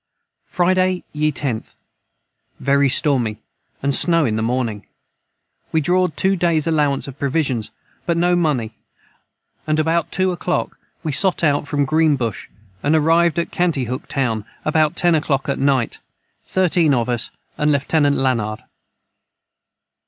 Friday ye 10th. Very stormy & snow in the Morning we drawd 2 days alowance of provissions but no money and about 2 o clock we sot out from Green Bush & arivd at Cantihook Town about ten a clock at knight 13 of us & Lieutenant Larnard.